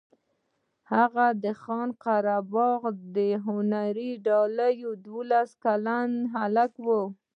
هغه د خان قره باغي د هنري ډلې دولس کلن هلک و.